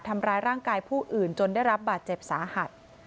ทำร้ายร่างกายผู้อื่นจนได้รับบาดเจ็บสาหัส